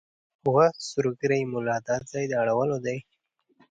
وه سور ږیریه مولا دا ځای د اړولو دی